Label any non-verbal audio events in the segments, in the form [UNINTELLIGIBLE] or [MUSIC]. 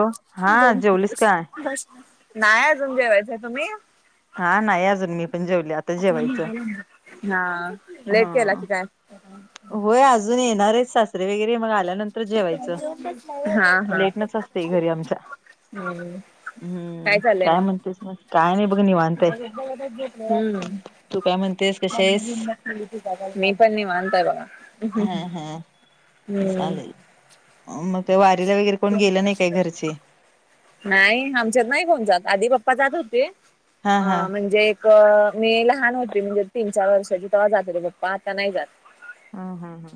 अ नाही, अजून जेवायचंय, तुम्ही? आ नाही अजून मी पण जेवले आता जेवायचं हा लेट केला हा की काय व्हय अजून येणारयत सासरे वगैरे मग आल्यानं तर जेवायचं हा हा लेटनच असतय घरी आमच हम्म हम्म चाललंय काय मग म्हणतेस म काय नई हम्म तू काय म्हणतेस कशी आहेस मी पण निवांतय बगा हा हा हम्म म त्या वारीला वगैरे कोण गेलं नाही काय घरचे नाही आमच्यात नाही कोण जात, आधी पप्पा जात होते. हा अ हा म्हणजे अ मी लहान होती म्हणजे तीन चार वर्षाची, तेव्हा जात हुते पप्पा, आता नाही जात. हू हू हू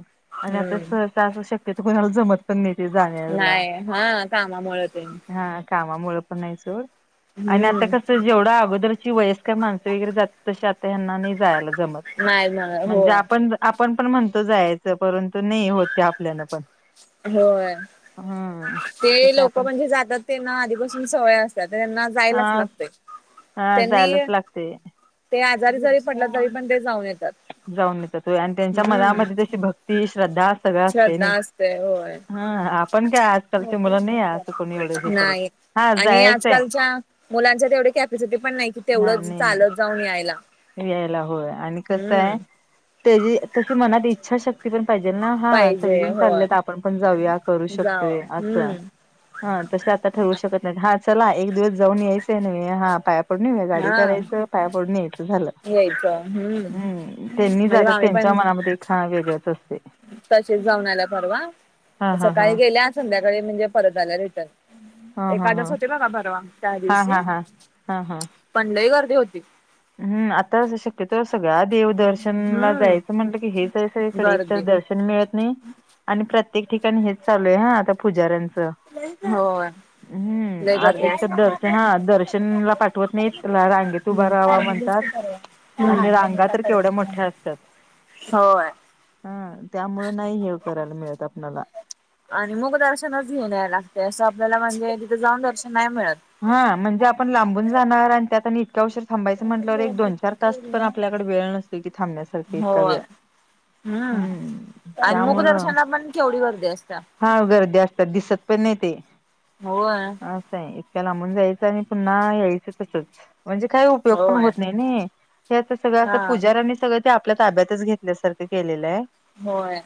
आणि आता हम्म सहसा असं शक्यतो कुणाला जमत पण नाही. ते जायायला‌ नाही हा कामामुळे ते हा कामामुळे पण नाही सोड, आणि आता हम्म कस जेवढं आगोदरची वयस्कर माणसं वगैरे जातात तशी आता ह्यांना नाही जायाला जमत. नाही म म्हणजे होय आपण, आपण पण म्हणतो जायाचं परंतु नाही होत ते आपल्याला पण. होय, हम्म ते कसं लोक आपण म्हणजे जातात तेना आधीपासून सवय असत्या त्यांना हा जायलाच लागतय. हा त्यांनी जायलाच लागते ते आजारी जरी पडलं, तरी पण ते जाऊन येतात. जाऊन येतात व्हय आणि त्यांच्या हम्म मनामध्ये तशी भक्ती, श्रद्धा सगळं असतंय श्रद्धा नाई, असते होय ह आपण काय आजकालची मुलं नाही असं कुणी एवढं हे करत. नाही हा आणि जायचंय आजकालच्या मुलांच्यात तेवढी कॅपॅसिटी पण नाही कि हा तेवढंच नाही नाही चालत जाऊन यायला. यायला होय, आणि कसाय हम्म त्याजी तशी मनात इच्छा शक् क्ती पण पाहिजेल ना हा, पाहिजे सगळीजण होय चाललेत, आपण पण जाऊया, करू जाव शकतोय असं. हम्म हा, तसे आता ठरवू शकत तात, हा चला एक दिवस जाऊन यायचंय न्हवे, हा पाया पडून येऊया, गाडी हा करायचं पाया पडून यायचं. झालं, यायचं हम्म हम् त्यांनी म्हणजे जातात आम्ही त्यांच्या मनामध्ये एक हा वेगळच असतंय. तसीच जाऊन आला परवा, हा हा सकाळी गेल्यात संध्याकाळी म्हणजे परत आल्या रिटर्न, एकादस होती बघा परवा. त्या हां दिवशी हां हां हं हं पण लई गर्दी होती. हम् आता शक्यतो सगळ्या देव-दर्शनला हम्म जायचं म्हटलं की हेचाय सगळीकडे, एक तर गर्दी दर्श र्शन मिळत नाही आणि प्रत्येक ठिकाणी हेच चालू आहे हा आता पुजाऱ्यांच होय हम्म, लय आत गर्दी एक तर असते. दर्शना, हा दर्शनला पाठवत नाहीत, चला रांगेत उभा हम्म राव्हा म्हणतात, आणि रांगा तर केवढ्या मोठ्या असत्यात. होय हम्म त्यामुळं नाही हे करायला मिळत आपणाला. आणि मुख दर्शनच घीऊन याल लागतंय, असं आपल्याला म्हणजे तिथं आपल्याला जाऊन दर्शन नाही मिळत. हा, म्हणजे आपण लांबून जाणार आणि त्यात आणि इतका उशीर थांबायचं म्हटल्यावर एक, दोन - चार तास पण आपल्याकडे वेळ नसतोय की थांबण्यासारख इतका होय वेळ. हम्म आणि मुख दर्शनला पण केवढी गर्दी असत्या. हा गर्दी असत्या, दिसत पण नाही ते. होय. असं हाय. इतक्या लांबून जायचं आणि पुन्हा यायचं तसच. म्हणजे काही उपयोग पण होय होत नाही नाई, हे सगळं असं हा पुजाऱ्यांनी सगळं ते आपल्या ताब्यातच घेतल्यासारखं केलेलाय. होय,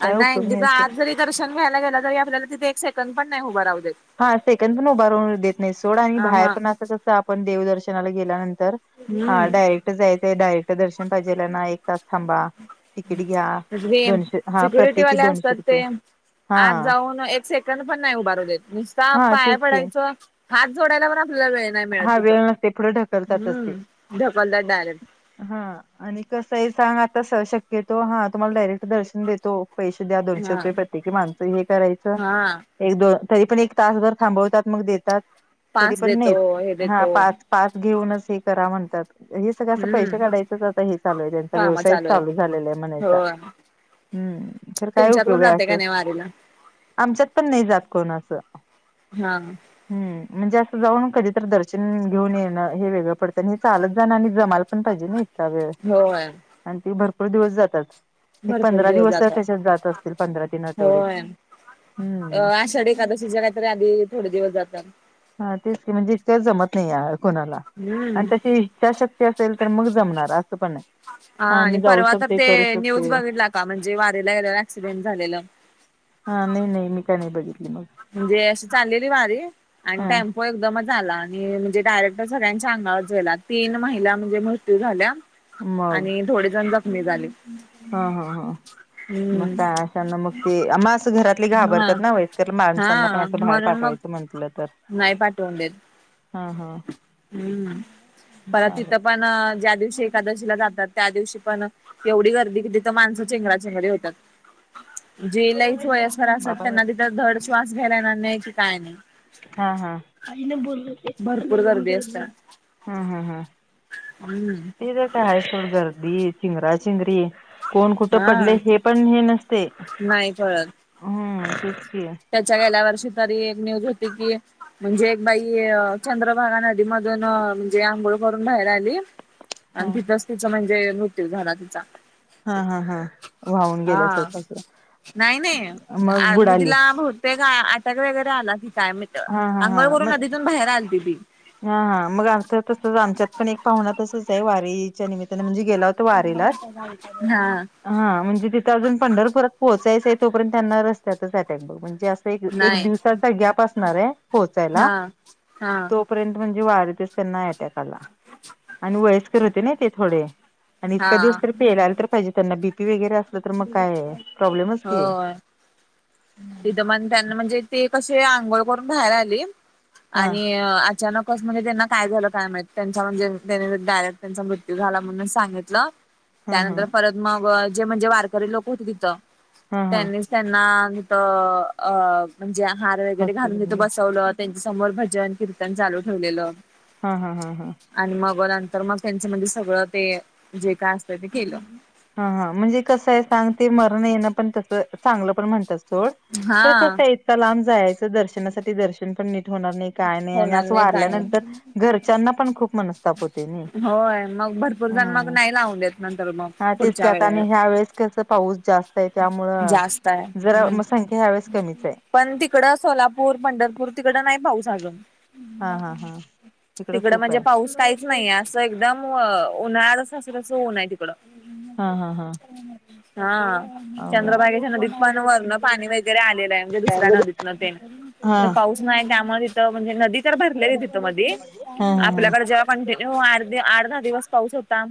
आणि उपयोग नाही तिथं असं. आत जरी दर्शन घ्यायला गेलं तरी आपल्याला तिथे एक सेकंद पण नाही उभं राहू देत. हा सेकंद पण उभारून देत नाही सोड आणि आ बाहेर हा पण असं तसं आपण देवदर्शनाला गेल्यानंतर हा हम्म डायरेक्ट जायच आहे डायरेक्ट दर्शन पाहिजेल्यांना एक एक तास थांबा तिकीट घ्या, जे दोनशे, हा प्रत्येकी सिक्युरिटीवाले दोनशे असतात रुपये ते हा आत जाऊन एक सेकंद पण नाही उभारू देत. नुसता हा पाया तेच की पडायचं, हात जोडायला पण आपल्याला वेळ नाय मिळत. हा तिथं वेळ नसतय, पुढे ढकल हम्म, ढकलत्यात डायरेक्ट. हा आणि कसंही सांग आता शक्यतो, हा तुम्हाला डायरेक्ट दर्शन देतो पैसे द्या दोनशे हा रुपये प्रत्येकी माणसं हे करायचं हा एक दोन तरी पण एक तास जर थांबवतात, मग देतात तरी पास पण देतो नाहीच हे हा देतो पाच पास घेऊनच हे करा म्हणतात हे सगळं असं हम्म पैसे काढायचंच आता हे चालू आहे, त्यांचा काम व्यवसायच आहेत चालू झालेला आहे म्हणायचा. होय हम्म खरं काय तुमच्यात कोण उपयोग आहे जाते का असं. नाही वारीला आमच्यात पण नाही जात कोण असं. हा. हम्म म्हणजे असं जाऊन कधीतरी दर्शन घेऊन येणं हे वेगळं पडतं आणि हे चालत जाणं आणि जमाल पण पाहिजे नाही. त्या वेळ होय आणि ते भरपूर दिवस जातात. एक भरपूर पंधरा दिवस जातात त्याच्यात जात असतील पंधरा तीन आठवडे होय अ हम्म. आषाढी एकादशी [UNINTELLIGIBLE] काही आधी थोडे दिवस जातात. हा तेच म्हणजे इतकंच जमत नाही कुणाला हम्म आणि तशी इच्छा शक्ती असेल तर मग जमणार असं पण आहे. हा आणि परवा तर ते न्यूज बघितला का म्हणजे वारेला गेल्यावर ऍक्सिडेंट झालेलं. हा नाही नाही मी काय नाही बघितल. म्हणजे अशी चाललेली वारी आणि हा टाम एकदमच आला आणि म्हणजे डायरेक्ट सगळ्यांच्या अंगावर गेला तीन महिला म्हणजे मृत्यू झाल्या. आणि थोडे जण जखमी झाले. ह ह ह मग हम्म का अशांना मग ते आ मास घरात हा घाबरतात ना व माणसांना पण हा अस बाहेर म्हणून मग पाठवायच म्हंट तर. नाही पाठवून देत हा हा. हम्म परत तिथं चालेल पण ज्या दिवशी एकादशीला जातात त्या दिवशी पण. एवढी गर्दी किती तर माणसं चेंगरा चेंगरी होतात. जे लहीच वयस्कर असत बाबा देत. त्यांना तिथं धड श्वास घ्यालायणार न्याय क काय नाही. हा हा आईन बोल. [UNINTELLIGIBLE] भरपूर गर्दी असत्या हम हम हम हम्म तर पय सुोड गर्दी चिंगरा चिंगरी. कोण कुठं पडले हा हे पण हे नसते नाही कळत. हम् तेच की. त्याच्या गेल्या वर्षी तरी एक न्यूज होती की. म्हणजे एक बाई चंद्रभागा नदी मधून म्हणजे आंघोळ करून बाहेर आली. [INAUDIBLE] आणि तिथच तिचा म्हणजे मृत्यू झाला तिचा. हा हा हा वाहून गेल्या हा. सरख नाही नाही मग म्हणजे बुडाली. तिला बहुतेक आटक वगैरे आला ती काय माहीत हा हा हा अंघळ करून मग नदीतून बाहेर आलती ती. हा हा मग आथ तसच आमच्यात पण एक पाहुना तसच आहे वारीच्या निमित्ताने म्हणजे गेला हो [INAUDIBLE] हा. हा म्हणजे तिथं अजून पंढरपुरात पोहचायचं तोर्य त्यांना रस्त्याच अटक बघ म्हणजे एक नाही दिवसाचा गॅप असणार आहे पोहोचायला. हा हा. तोपर्यंत म्हणजे वारीतच त्यांना अटॅक आला आणि वायस र होते ने ते थोडे आणि, हा इतका दिवसरी पेले तर पाहिजे, त्यांना बीपी वगरे अस तर मग काय प्रॉब्लेमच की. विदमान त्यांना म्हणजे ते कसे आंघोळ करून बाहेर आले हा आणि अचानक स म्हणजे त्यांना काय झालं काय मा त्यांचा म्हणजे त्यांनी डायरेक्ट त्यांचा मृत्यू झाला म्हणून सांगितलं. हा हा त्यानंतर परत मग जे म्हणजे वारकरी लोक होते तिथं हा हा त्यांनीच त्यांना तथ अ म्हणजे हार वगैरे घालून तथ हॉस्पिटलमध्ये बसवलं. त्यांच्या समोर भजन कीर्तन चालू ठेवलेलं. हा हां हां हां. आणि मग नंतर मग त्यांच्यामध्ये सगळं ते जे काय असतं ते केलं. हा हा म्हणजे कसं आहे, सांग ते मरण येण, पण तसं चांगलं पण म्हणत्यात सोध तर हा कसं इतका लांब जायचं, दर्शनासाठी दर्श पण नीट होणार नाही काय नाही, होणार काय असारल्यानंतर घरच्यांना पण खूप म होय मग भरपूर जण मग नाही लावून देत नंतर मग हा तेच की पुढच्या आता आणि वेळे ह्या वेळेस पाऊस जास्त आहे त्यामुळं, जास्त आहे जरा हम्म म संख्या ह्या वेळेस कमीच आहे. पण तिकडं सोलापूर पंढरपूर तिकडं नाही पाऊस आजून. हा हा हा [UNINTELLIGIBLE] तिकडं खूप म्हणजे, आहे. पाऊस काहीच नाहीे, आसं एकदम. म अ उनणार शशीशी उन नाही दि [UNINTELLIGIBLE] हा हा हां. हा चंद्रभागेच्या नदीत पण वरण पाणी वगैरे आलेलं आहे. म्हणजे दुसऱ्या नदीतन ते हा ज पाऊस नाही, त्यामुळे तथ म्हणजे नदीत. चर भरलेली तीथ मधी हा हा आपल्याकडे जेवा कंटिन्यू आर्धी अर्धा दिवस पाऊस होता.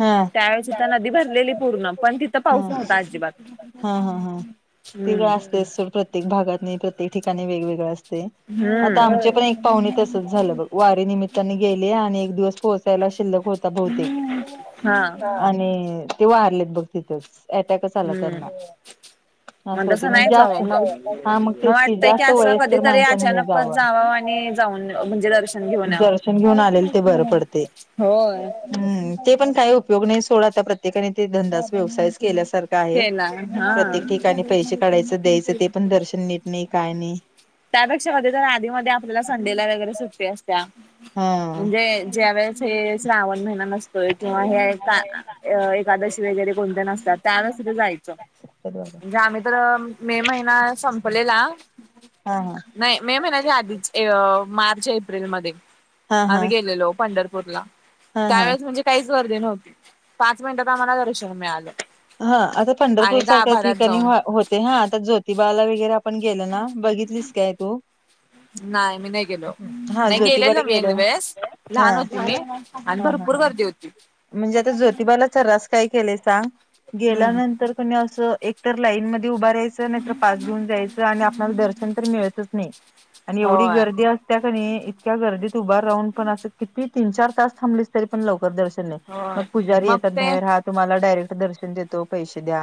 हा त्यावेळेस ईथ नदी भरलेली पूर्ण, पण तिथं हा पाऊस नव्हत हा. त आजीबात हम्म. ते सुर प्रत [UNINTELLIGIBLE] त्येक भागात नही प्रत्येक ठिका वेगवेगळा आस तेआता हम्म आमचे पण एक पाहुणी तसच झालं, बघ वारी निमित्ताने गेले, आणि एक दिवस पोहोच हम्म हा. आणि ते वारलेत बघ तिथच अँटॅकच आला हम्म त्यांना. असं होते तसं मग नाही जावं जास्त मग हा मग तेच की, जास्त वयस तर माणसाने म [UNINTELLIGIBLE] पच जाव आणि जाऊन म्हणजे, दर्शन घेऊन यावं दर्शन घेऊन काहीच आलेल माहीत ते बरं नाही मला. पडते. होय. हम्म ते पण काय उपयोग नाही, सोड आता प्रत्येकाने. ते धंदाच व्यवसायच केल्यासारख आहे, केला हा. प्रत्येक ठिकाणी पैसे काढायचं, द्यायचं ते पण दर्शन निट नाही काय नाही. त्यापेक्षा मधे जर आधी म आपल्याला संडे ला वगर सुट्टी आस त्या हा हा म्हणजे ज्यावेेळेस हे श्रावण महिना नस तर किंवा आहे का एकादशी वगैरे कोणत्या नसतात त्यान सुद्धा जायचं. म्हणजे आम्ही तर मे महिना संपलेला हा हा. नाही मे महिन्याच्या आधीच ये अ मार्च एप्रिलमध्ये. हा आम्ही गेलेलो पंढरपूरला हा हा त्यावेळेस म्हणजे काहीच गर्दी नव्हती पाच मिनिटात आम्हाला दर्शन मिळालं. हा आता पंढरपूर आणि सारख्या गाभाऱ्यात ठिकाणी जाऊन होते हा आता ज्योतिबाला वगैरे पण गेलं ना बघितलीस काय तू नाही मी नाही गेलो हा नाही गेलेल ज्योतिबाला मी एक गेलं वेळेस हा लहान होती मी आणि हा हा भरपूर हा गर्दी होती. म्हणजे आता ज्योतिबालाचार्रास काय केलेय सांग हम्म गेल्यानंतर कोणी असं एक तर लाईन मध्ये उभं राहायचं नाहीतर पास घेऊन जायचं आणि आपणाला दर्शन तर मिळतच नाही. आणि एवढी होय गर्दी असत्या का नाही इतक्या गर्दीत उभार राहून पण असं किती तीन चार तास थांबलीस तरी पण लवकर दर्शन नाही मग होय पुजारी मग येतात ते बाहेर हात तुम्हाला डायरेक्ट दर्शन देतो पैशे द्या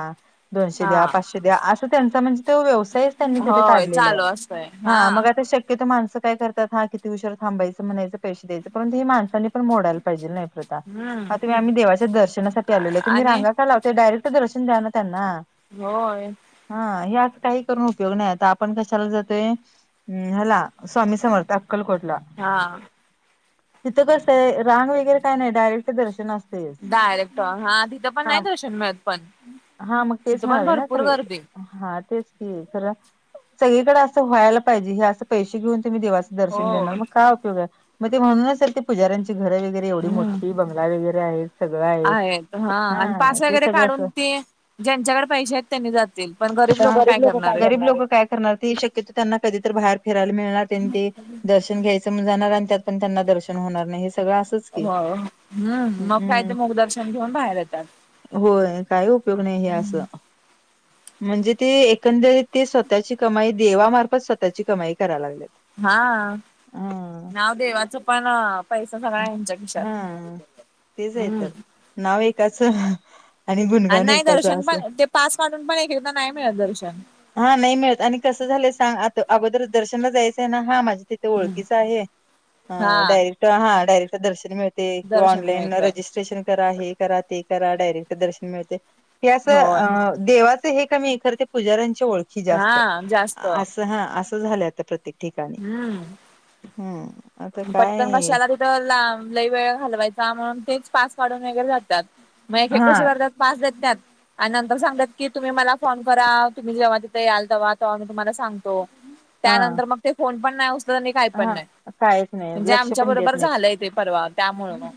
दोनशे हा द्या पाचशे द्या अस त्यां म्हणजे तो व्यवसाय त्यांनी तिथे होय काढलेला आहे चालू असतय हा मग आता शक्यतोर माणस काय हा किती उशर थांबायचं म्हणायं पैश द्यायं परंतु हे माणसां पण मोडाला पाहिजे नाही. होता हम्म हा तुम्ही आम्ही देवाच्या दर्शनासाठी आलेलो तुम्ही आणि रांगा का लाव ते डायरेक्ट दर्शन द्या ना त्यांना. होय. हा हे अस काही करून उपयोग नाही आता आपण कशाला जातोय ह्याला स्वामी समर्थ अक्कलकोटला. हा तिथं कसं ये रांग वगैरे काय नाही डायरेक्ट दर्शन अस डायरेक्ट हा तिथं पण नाही दर्शन मिळत पण हा मग तेच तिथं पण म्हणाले ना भरपूर सगळे गर्दी हा तेच की खर सगळीकडें असं व्हायला पाहिजे हे असं पैसे घेऊन तुम्ही देवाचं हो. दर्शन देणार मग काय उयोग आहे मग ते म्हणूनचल ते पुजाऱ्यांची घर वगैरे एवढी हम्म मोठी बंगला वगैरे आहे सगळं आहे आहेत आणि हा पास तेच. वगैरे काढून ते ज्यांच्याकडे पैसे आहेत त्यांनी जातील पण गरीब लोक काय करणार आहेत? गरीब लोक काय करणार हे शक्यतो त्यांना कधीतरी तर बाहेर फिरायला मिळणार त्यां ते दर्शन घ्यायचं म्हणून जाणार आणि त्यात पण त्यांना दर्शन होणार नाही हे सगळं असंच. की हो हम्म मग काय हम्म तेे मुख दर्शन घेऊन बाहेर येतात. होय काही उपयोग नाही हे असं म्हणजे ते एकंदरीत ते स्वतः स्वतःची कमाई देवामार्फत स्वतःची कमाई कराय लागली. हा नाव देवाच प ना पैसा सगळा यांच्या खिशात. हा तेच आहे हम्म तर. नाव एकाचं आणि गुणगाण नाही एकाच दर्शन असं. पण ते पास काढून पण एक एकदा नाही मिळत दर्शन. हा नाही मिळत आणि कसं झालंय सांग आता अगोदर दर्शनला जायचंय ना हा माझे तिथे ओळखीच आहे हा डायरेक्ट हा डायरेक्ट दर्शन मिळतो. किंवा दर्शन ऑनलाईन मिळतय रजिस्ट्रेशन करा हे करा ते करा डायरेक्ट दर्शन मिळते. क असं होय अ देवाचं हे कमी एक खर ते पुजाऱ्यांची ओळख त हा जास्त अस हां असं जास्त झालय आता प्रत्येक ठिकाणी हम्म. हम्म आता पटकन काय कशाला तिथं लांब लई वेळ घालवायचा म्हणून तेच पास काढून वगैरे जातात. मग हेे हा कसे करतात पास देत्यात. आणि नंतर सांगतात की तुम्ही मला फोन करा तुम्ही जेव्हा तिथे याल तेव्हा तेव्हा मी तुम्हाला सांगतो. हा त्यानंतर मग ते फोन पण नाही उचलत आणि काही पण हा नाही. कायच नाही म्हणजे लक्ष आमच्या पण देत बरोबर नाहीत झालंय तेे परवा त्यामुळं मग.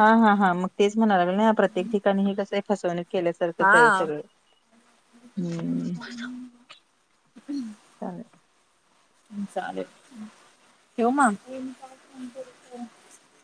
हा हा हा मग तेच म्हणाय लागल नाही प्रत्येक ठिकाणी हे कसंय फसवणूक केल्यासारखंच आहे हा सगळे. हम्म चालेल. चालेल ठेवू मग?